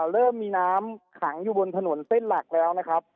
เริ่มมีน้ำขังอยู่บนถนนเส้นหลักแล้วนะครับ